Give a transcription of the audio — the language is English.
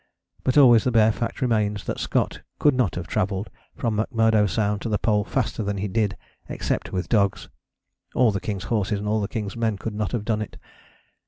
But always the bare fact remains that Scott could not have travelled from McMurdo Sound to the Pole faster than he did except with dogs; all the king's horses and all the king's men could not have done it.